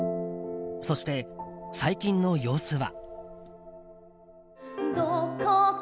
そして、最近の様子は。